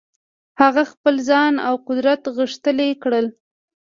هغه خپل ځان او قدرت غښتلي کړل.